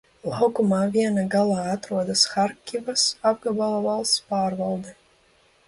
Laukuma vienā galā atrodas Harkivas apgabala valsts pārvalde.